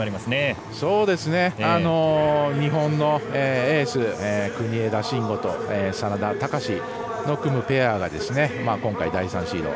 日本のエース国枝慎吾と眞田卓の組むペアが今回第３シード。